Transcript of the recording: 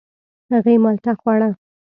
هغې مالټه خوړه.